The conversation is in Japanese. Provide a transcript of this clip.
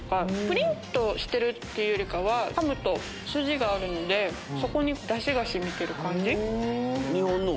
プリン！としてるっていうよりかはかむとスジがあるのでそこにダシが染みてる感じ。